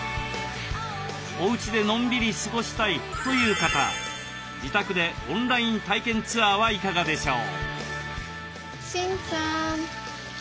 おうちでのんびり過ごしたいという方自宅でオンライン体験ツアーはいかがでしょう？